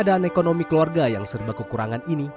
dan ekonomi keluarga yang serba kekurangan ini